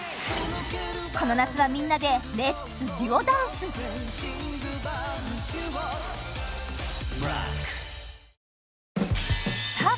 この夏はみんなでレッツＤＵＯダンスさあ